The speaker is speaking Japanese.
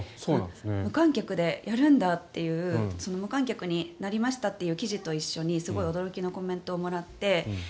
無観客でやるんだという無観客になりましたという記事と一緒にすごい驚きのコメントをもらって。